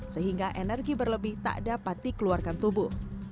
sehingga energi berlebih tak dapat dikeluarkan tubuh